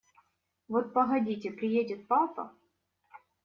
Вот погодите, приедет папа…